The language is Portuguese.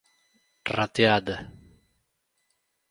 rateada